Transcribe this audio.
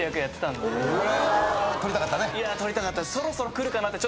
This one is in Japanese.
取りたかったです。